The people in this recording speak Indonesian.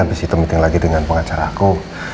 habis itu meeting lagi dengan pengacara aku